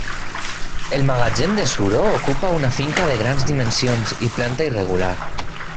El magatzem de suro ocupa una finca de grans dimensions i planta irregular.